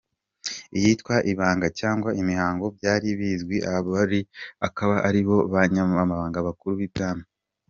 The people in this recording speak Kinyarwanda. Icyitwa ibanga, cyangwa imihango byari bizwi n’Abiru, akaba ari bo banyamabanga bakuru ibwami.